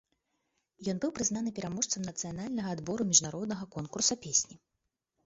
Ён быў прызнаны пераможцам нацыянальнага адбору міжнароднага конкурса песні.